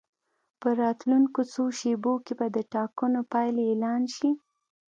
په راتلونکو څو شېبو کې به د ټاکنو پایلې اعلان شي.